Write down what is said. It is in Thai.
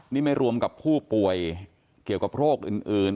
นี่ไม่รวมกับผู้ป่วยเกี่ยวกับโรคอื่น